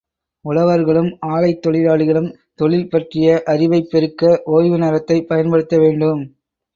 உழவர்களும் ஆலைத் தொழிலாளிகளும் தொழில் பற்றிய அறிவைப் பெருக்க, ஒய்வு நேரத்தைப் பயன்படுத்த வேண்டும்.